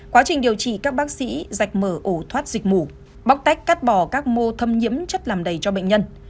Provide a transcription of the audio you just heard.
quá trình điều trị các bác sĩ dạch mở ổ thoát dịch mổ bóc tách cắt bỏ các mô thâm nhiễm chất làm đầy cho bệnh nhân